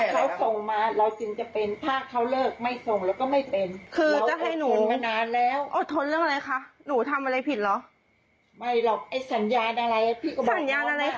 พี่จะส่งถ้าน้องจะส่งสัญญาณอะไรนะบอกให้เลย